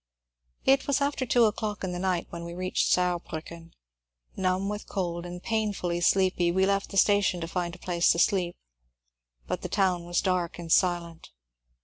It was after two o'clock in the night when we reached Saarbriicken. Numb with cold and painfully sleepy, we left the station to find a place to sleep, but the town was dark and silent.